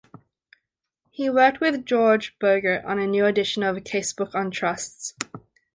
He worked with George Bogert on a new edition of a casebook on trusts.